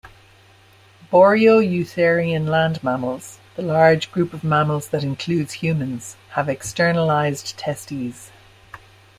Boreoeutherian land mammals, the large group of mammals that includes humans, have externalized testes.